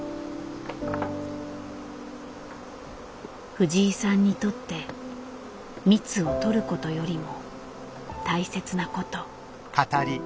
藤井さんにとって蜜を採ることよりも大切なこと。